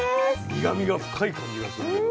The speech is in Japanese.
苦みが深い感じがするけど。